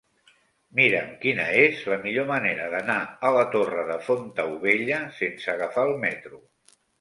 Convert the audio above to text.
Mira'm quina és la millor manera d'anar a la Torre de Fontaubella sense agafar el metro.